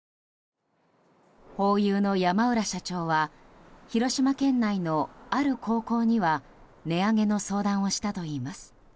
ホーユーの山浦社長は広島県内のある高校には値上げの相談をしたといいます。